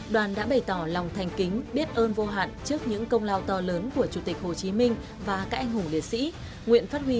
đoàn đã bày tỏ lòng thành kính biết ơn vô hạn trước những công lao to lớn của chủ tịch hồ chí minh và các anh hùng liệt sĩ